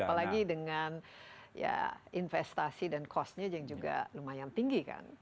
apalagi dengan investasi dan costnya juga lumayan tinggi kan